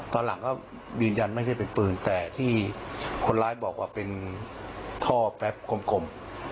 ตอนหลังก็ยืนยันไม่ใช่เป็นปืนแต่ที่คนร้ายบอกว่าเป็นท่อแป๊บกลม